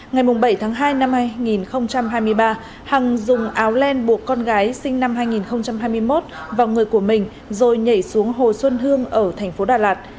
ngày bảy tháng hai năm hai nghìn hai mươi ba hằng dùng áo len buộc con gái sinh năm hai nghìn hai mươi một vào người của mình rồi nhảy xuống hồ xuân hương ở thành phố đà lạt